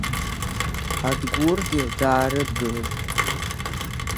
Адгәыргьы даарыдгылеит.